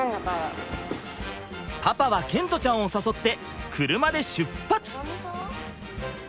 パパは賢澄ちゃんを誘って車で出発！